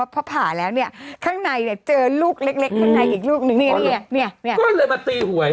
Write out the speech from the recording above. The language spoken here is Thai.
พอผ่าแล้วเนี่ยข้างในเนี่ยเจอลูกเล็กข้างในอีกลูกนึงก็เลยมาตีหวย